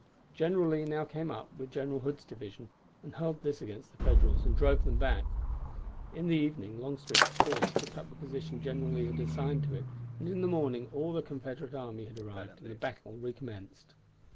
General Lee now came up with General Hood's division, and hurled this against the Federals and drove them back. In the evening Longstreet's force took up the position General Lee had assigned to it, and in the morning all the Confederate army had arrived, and the battle recommenced.